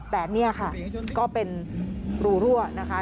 แต่นี่ค่ะก็เป็นรูรั่วนะคะ